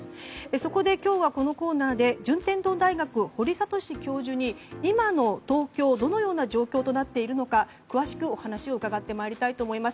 そこで今日は、このコーナーで順天堂大学の堀賢教授に今の東京どのような状況となっているのか詳しく、お話を伺ってまいりたいと思います。